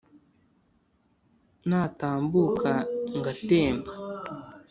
Natambuka ngatemba